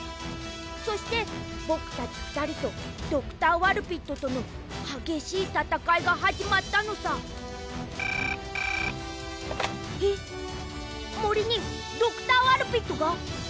そしてぼくたちふたりとドクター・ワルピットとのはげしいたたかいがはじまったのさ☎えっもりにドクター・ワルピットが！？